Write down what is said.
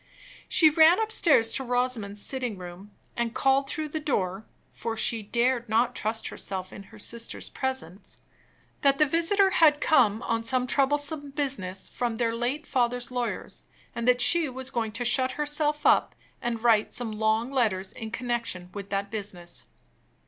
She ran upstairs to Rosamond's sitting room, and called through the door (for she dared not trust herself in her sister's presence) that the visitor had come on some troublesome business from their late father's lawyers, and that she was going to shut herself up, and write some long letters in connection with that business.